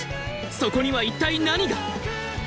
そこには一体何が？